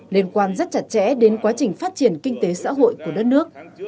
liên quan rất chặt chẽ đến quá trình phát triển kinh tế xã hội của đất nước